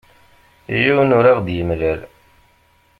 Yiwen ur aɣ-d-yemlal.